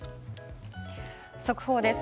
速報です。